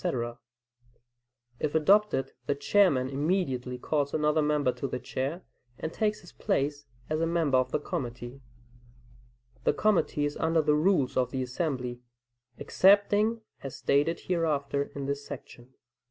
] If adopted, the Chairman immediately calls another member to the chair, and takes his place as a member of the committee. The committee is under the rules of the assembly, excepting as stated hereafter in this section.